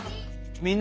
みんな！